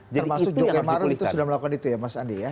termasuk juga marul itu sudah melakukan itu ya mas andi ya